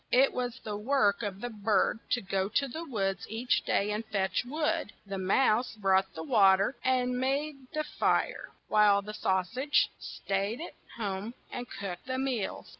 It was the work of the bird to go to the woods each day and fetch wood, the mouse brought the wa ter and made the fire, while the sau sage staid at home and cooked the meals.